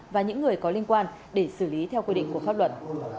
và những người có liên quan để xử lý theo quy định của pháp luật